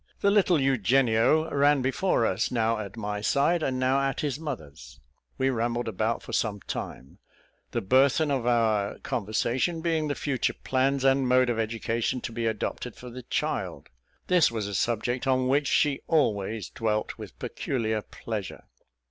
The little Eugenio ran before us, now at my side, and now at his mother's. We rambled about for some time, the burthen of our conversation being the future plans and mode of education to be adopted for the child; this was a subject on which she always dwelt with peculiar pleasure.